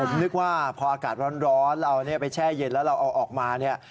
ผมนึกว่าพออากาศร้อนเราไปแช่เย็นแล้วเราเอาออกมาเนี่ย